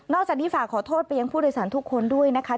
จากนี้ฝากขอโทษไปยังผู้โดยสารทุกคนด้วยนะคะ